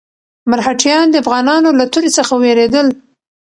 مرهټیان د افغانانو له تورې څخه وېرېدل.